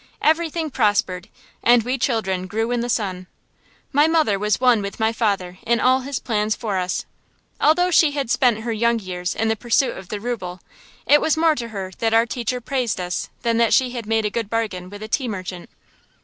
Everything prospered, and we children grew in the sun. My mother was one with my father in all his plans for us. Although she had spent her young years in the pursuit of the ruble, it was more to her that our teacher praised us than that she had made a good bargain with a tea merchant.